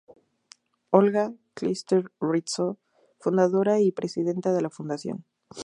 Olga Kistler-Ritso, fundadora y presidenta de la fundación.